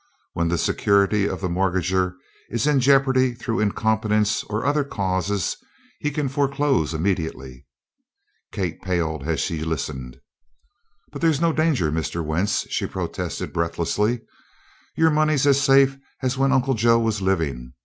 When the security of the mortgager is in jeopardy through incompetence or other causes he can foreclose immediately." Kate paled as she listened. "But there's no danger, Mr. Wentz," she protested breathlessly. "Your money's as safe as when Uncle Joe was living.